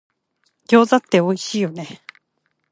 餃子っておいしいよね